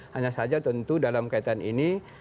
hanya saja tentu dalam kaitan ini